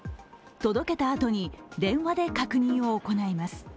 届けたあとに電話で確認を行います。